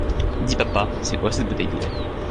Dis papa, c'est quoi cette bouteille de lait?